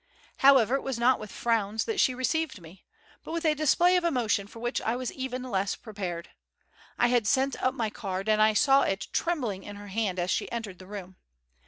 However, it was not with frowns she received me, but with a display of emotion for which I was even less prepared. I had sent up my card and I saw it trembling in her hand as she entered the room.